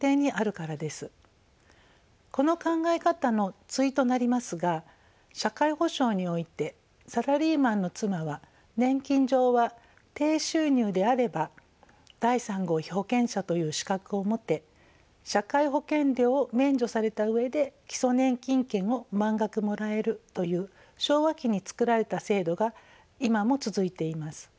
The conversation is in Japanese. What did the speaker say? この考え方の対となりますが社会保障においてサラリーマンの妻は年金上は低収入であれば第３号被保険者という資格を持て社会保険料を免除された上で基礎年金権を満額もらえるという昭和期につくられた制度が今も続いています。